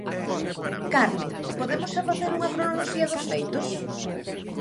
Carmen, podemos xa facer unha cronoloxía dos feitos?